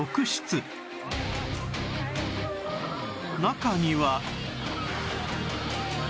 中には